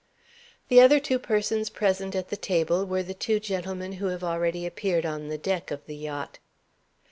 The other two persons present at the table were the two gentlemen who have already appeared on the deck of the yacht.